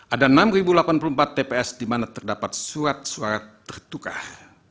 ada enam delapan puluh empat tps di mana terdapat surat suara tertukah